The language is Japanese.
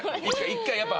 １回やっぱ。